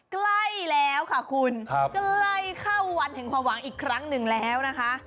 ใกล้แล้วค่ะคุณใกล้เข้าวันแห่งความหวังอีกครั้งหนึ่งแล้วนะคะ